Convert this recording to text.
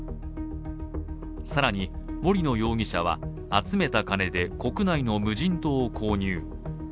更に森野容疑者は集めた金で国内の無人島を購入。